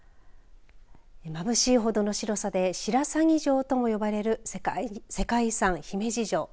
まぶしいほどの白さで白鷺城とも呼ばれる世界遺産、姫路城。